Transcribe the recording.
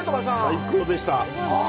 最高でした！